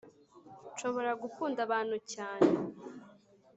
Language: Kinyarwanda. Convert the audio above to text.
nshobora gukunda abantu cyane